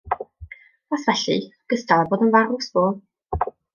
Os felly, gystal â bod yn farw, sbo.